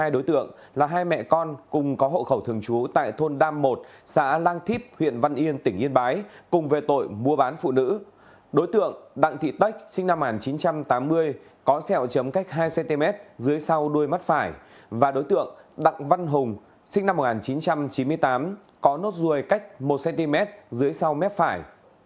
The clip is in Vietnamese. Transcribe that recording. đối tượng đặng văn hùng sinh năm một nghìn chín trăm chín mươi tám có nốt ruồi cách một cm dưới sau mép phải